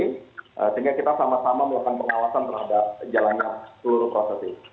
sehingga kita sama sama melakukan pengawasan terhadap jalannya seluruh proses ini